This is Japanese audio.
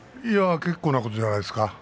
結構なことじゃないですか。